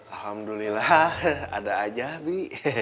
alhamdulillah ada aja bi